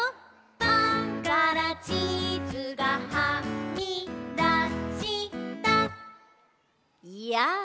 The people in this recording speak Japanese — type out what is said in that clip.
「パンからチーズがはみだしたやあ」